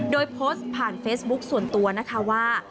โดยโพสต์ผ่านเฟซบุ๊คส่วนตัวนะคะว่า